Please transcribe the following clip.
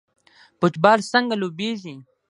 فوټبال څنګه لوبیږي؟